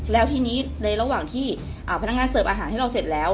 แล้วทีนี้ในระหว่างที่พนักงานเสิร์ฟอาหารให้เราเสร็จแล้ว